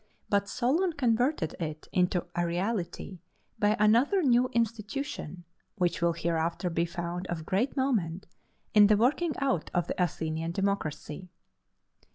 But Solon converted it into a reality by another new institution, which will hereafter be found of great moment in the working out of the Athenian democracy.